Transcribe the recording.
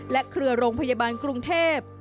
เครือโรงพยาบาลกรุงเทพ